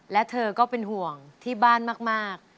และเธอก็เป็นห่วงที่บ้านมาก